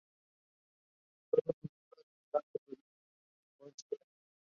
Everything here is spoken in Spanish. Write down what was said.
Lanzó dos entradas en blanco, permitió un hit y ponchó a tres.